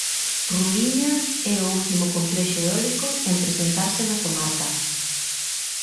Ruliña é o último complexo eólico en presentarse na comarca.